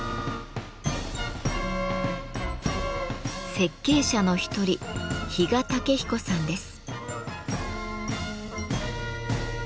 設計者の一人比嘉武彦さんです。